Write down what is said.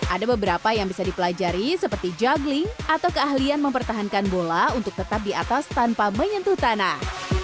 ada beberapa yang bisa dipelajari seperti juggling atau keahlian mempertahankan bola untuk tetap di atas tanpa menyentuh tanah